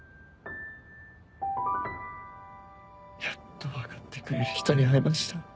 やっと分かってくれる人に会えました。